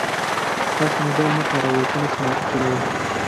تاسو موبایل مه کاروئ کله چې موټر چلوئ.